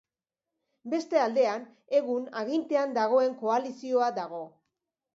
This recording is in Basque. Beste aldean, egun agintean dagoen koalizioa dago.